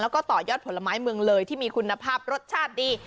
แล้วก็ต่อยอดผลไม้เมืองเลยที่มีคุณภาพรสชาติดี